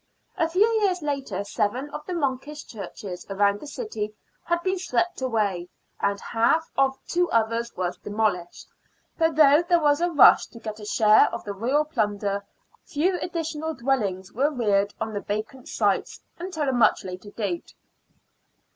A few years later seven of the monkish churches around the city had been swept away, and half of two others was demolished ; but though there was a rush to get a share of the royal plunder, few additional dwellings were reared on the vacant sites until a much later date.